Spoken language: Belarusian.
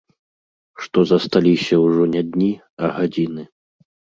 Што засталіся ўжо не дні, а гадзіны.